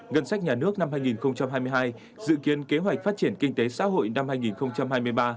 ngân sách nhà nước năm hai nghìn hai mươi hai dự kiến kế hoạch phát triển kinh tế xã hội năm hai nghìn hai mươi ba